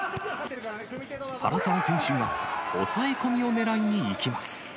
原沢選手が押さえ込みをねらいにいきます。